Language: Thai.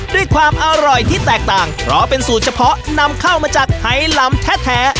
ด้วยความอร่อยที่แตกต่างเพราะเป็นสูตรเฉพาะนำเข้ามาจากไฮลำแท้